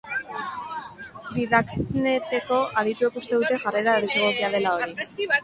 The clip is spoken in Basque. Didakneteko adituek uste dute jarrera desegokia dela hori.